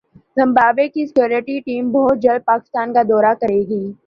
Zimbabwe کی security team بہت جلد پاکستان کا دورہ کریگی